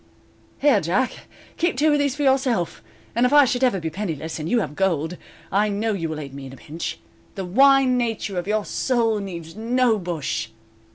"Here, Jack, keep two of these for yourself, and if I should ever be penniless, and you have gold, I know you will aid me in a pinch. The wine nature of your soul needs no bush."